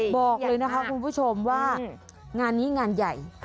บอกเลยนะคะคุณผู้ชมว่างานนี้งานใหญ่